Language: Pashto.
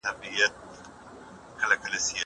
زه به اوږده موده موټر کار کر وم!